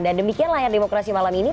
dan demikianlah yang demokrasi malam ini